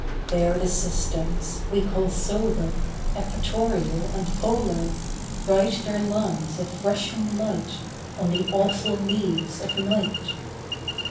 There the systems, we call solar, Equatorial and polar, Write their lines of rushing light On the awful leaves of night.